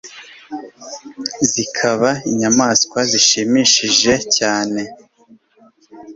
zikaba inyamaswa zishimishije cyane